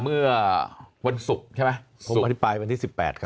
เมื่อวันศุกรใช่ไหมผมอธิแปลวันที่สิบแปดครับ